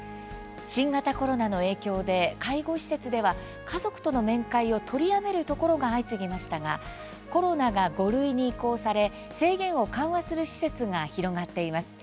新型コロナの影響で介護施設では家族との面会を取りやめるところが相次ぎましたがコロナが５類に移行され、制限を緩和する施設が広がっています。